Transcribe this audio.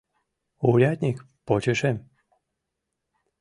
Урядник — почешем.